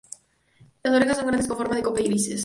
Las orejas son grandes, con forma de copa y grises.